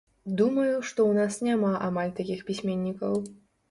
Думаю, што ў нас няма амаль такіх пісьменнікаў.